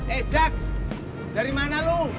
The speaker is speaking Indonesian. eh jack dari mana lu